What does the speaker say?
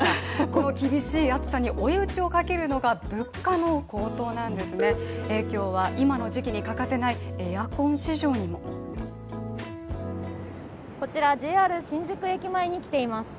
この厳しい暑さに追い打ちをかけるのが物価の高騰なんですね、影響は今の時期に欠かせないエアコン市場にもこちらＪＲ新宿駅前に来ています。